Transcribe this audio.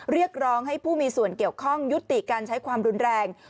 เรียกร้องให้ผู้มีส่วนเกี่ยวข้องยุติการใช้ความรุนแรง